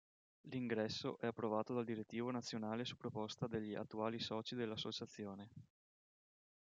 L'ingresso è approvato dal direttivo nazionale su proposta degli attuali soci dell'Associazione.